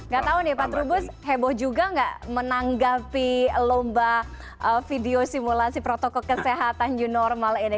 gak tau nih pak trubus heboh juga nggak menanggapi lomba video simulasi protokol kesehatan new normal ini